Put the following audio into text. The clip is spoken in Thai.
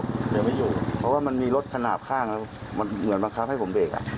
เพราะว่ามันมีรถขนาดข้างเหมือนบำคับให้ผมเบรก